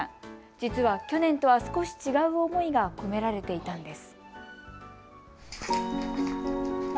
実は去年とは少し違う思いが込められていたんです。